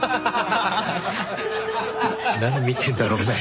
何見てんだろうね？